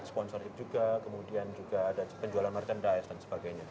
sponsorship juga kemudian juga ada penjualan merchandise dan sebagainya